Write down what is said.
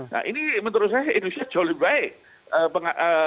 nah ini menurut saya indonesia jauh lebih baik